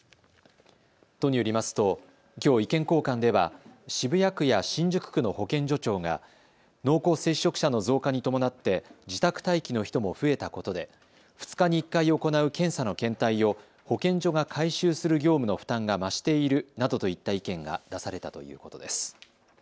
都によりますときょう意見交換では渋谷区や新宿区の保健所長が濃厚接触者の増加に伴って自宅待機の人も増えたことで２日に１回行う検査の検体を保健所が回収する業務の負担が増しているなどといった意見が出されたということです。